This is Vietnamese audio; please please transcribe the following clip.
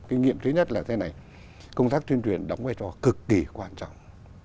kinh nghiệm thứ nhất là thế này công tác tuyên truyền đóng vai trò cực kỳ quan trọng